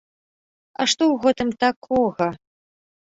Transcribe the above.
А што ў гэтым такога!?